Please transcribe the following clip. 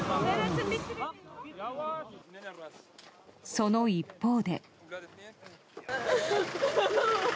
その一方で。